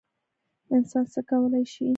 انسان څه کولی شي؟